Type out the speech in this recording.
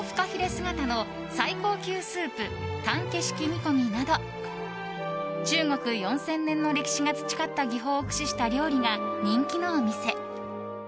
姿の最高級スープ譚家式煮込みなど中国４０００年の歴史が培った技法を駆使した料理が人気のお店。